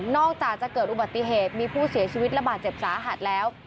อกจากจะเกิดอุบัติเหตุมีผู้เสียชีวิตระบาดเจ็บสาหัสแล้ว